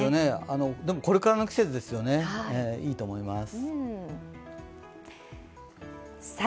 でも、これからの季節ですよね、いいと思います。